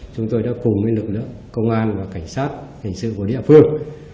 chúng tôi đã cùng với lực lượng công an và cảnh sát hành xử của địa phương